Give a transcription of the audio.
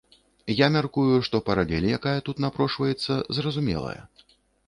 Я мяркую, што паралель, якая тут напрошваецца, зразумелая.